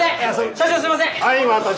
社長すいません！